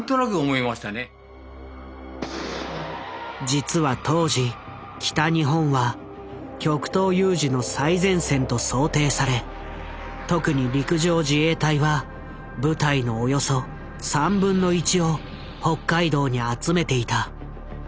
実は当時北日本は極東有事の最前線と想定され特に陸上自衛隊は部隊のおよそ1/3を北海道に集めていた。